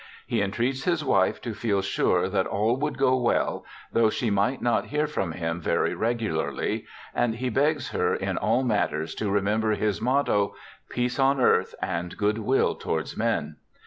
He entreats his wife to feel sure that all would go well, though she might not hear from him very regularly, and he begs her in all matters to remember his motto, ' Peace on earth and good will towards men.'